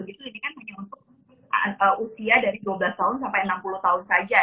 ini kan hanya untuk usia dari dua belas tahun sampai enam puluh tahun saja